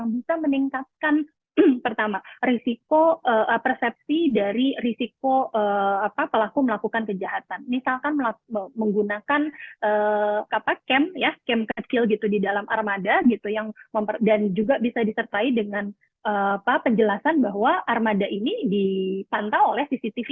bidang pemerintahan yg memiliki persyaratanstrg